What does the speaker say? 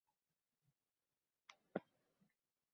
Yana shunday kitoblar bor: saviyasi qoyilmaqom emas